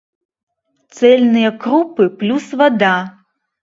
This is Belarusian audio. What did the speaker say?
Цэльныя крупы плюс вада.